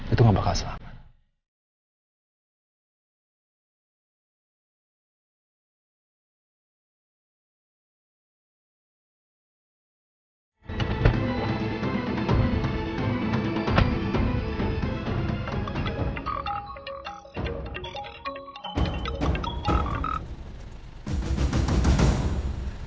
itu gak bakal selamat